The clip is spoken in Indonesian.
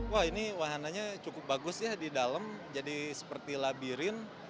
wah ini wahananya cukup bagus ya di dalam jadi seperti labirin